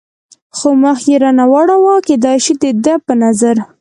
خو مخ یې را نه واړاوه، کېدای شي د ده په نظر.